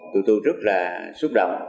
tụi tôi rất là xúc động